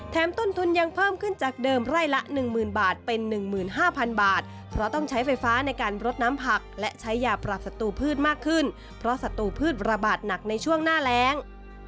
ต้นทุนยังเพิ่มขึ้นจากเดิมไร่ละ๑๐๐๐บาทเป็น๑๕๐๐๐บาทเพราะต้องใช้ไฟฟ้าในการรดน้ำผักและใช้ยาปรับศัตรูพืชมากขึ้นเพราะศัตรูพืชระบาดหนักในช่วงหน้าแรง